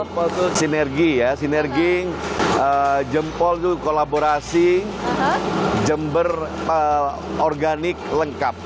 apa itu sinergi ya sinergi jempol itu kolaborasi jember organik lengkap